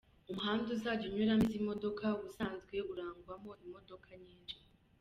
Umuhanda uzajya unyuramo izi modoka ubusanzwe urangwamo imodoka nyinshi.